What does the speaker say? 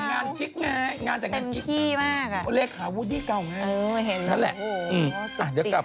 เลขาวูดี้เก่าไงเออเห็นแล้วโหสุดติด